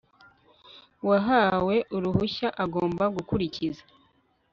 uwahawe uruhushya agomba gukurikiza